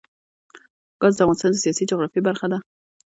ګاز د افغانستان د سیاسي جغرافیه برخه ده.